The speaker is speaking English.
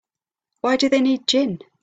Why do they need gin?